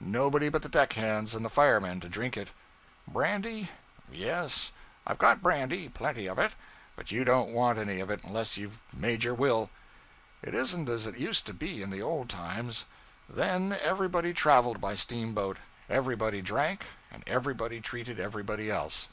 Nobody but the deck hands and firemen to drink it. 'Brandy? Yes, I've got brandy, plenty of it; but you don't want any of it unless you've made your will.' It isn't as it used to be in the old times. Then everybody traveled by steamboat, everybody drank, and everybody treated everybody else.